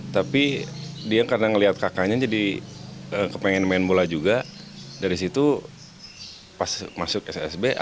tapi dia karena ngeliat kakaknya jadi kepengen main bola juga dari situ pas masuk ssb